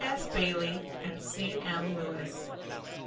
S. BAILEY AND C. M. LEWIS.